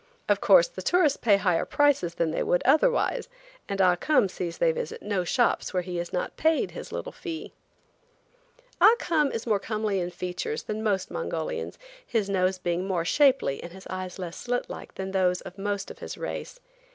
Of course the tourists pay higher prices than they would otherwise, and Ah Cum sees they visit no shops where he is not paid his little fee. Ah Cum is more comely in features than most Mongolians, his nose being more shapely and his eyes less slit like than those of most of his race.